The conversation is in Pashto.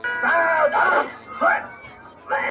چا منلی چا له یاده دی ایستلی!!